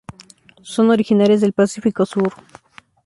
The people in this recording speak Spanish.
Son originarias del Pacífico Sur.